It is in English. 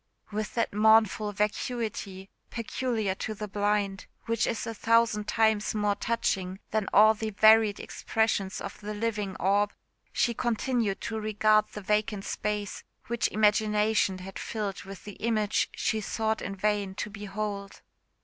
With that mournful vacuity, peculiar to the blind, which is a thousand times more touching than all the varied expression of the living orb, she continued to regard the vacant space which imagination had filled with the image she sought in vain to behold.